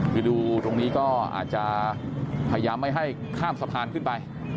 คือดูตรงนี้ก็อาจจะพยายามไม่ให้ข้ามสะพานขึ้นไป